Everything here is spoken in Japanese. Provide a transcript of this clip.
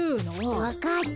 分かった。